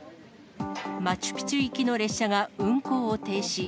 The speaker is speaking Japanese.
マチュピチュ行きの列車が運行を停止。